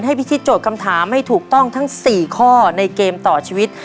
พิธีโจทย์คำถามให้ถูกต้องทั้ง๔ข้อในเกมต่อชีวิต